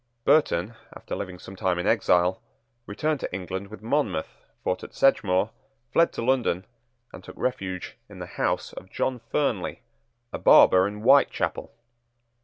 Burton, after living some time in exile, returned to England with Monmouth, fought at Sedgemoor, fled to London, and took refuge in the house of John Fernley, a barber in Whitechapel.